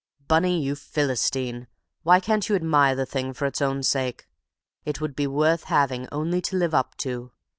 Bunny, you Philistine, why can't you admire the thing for its own sake? It would be worth having only to live up to!